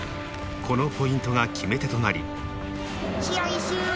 このポイントが決め手となり試合終了！